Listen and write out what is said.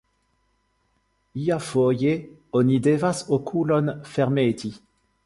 Iafoje oni devas okulon fermeti.